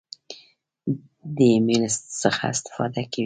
د ایمیل څخه استفاده کوئ؟